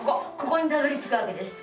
ここにたどりつくわけです。